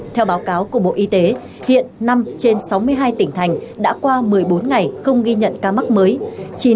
theo báo cáo của bộ y tế hiện năm trên sáu mươi hai tỉnh thành đã qua một mươi bốn ngày không ghi nhận ca mắc mới